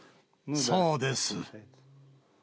そうです。